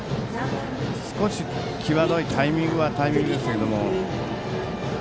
少し際どいタイミングはタイミングですけれども。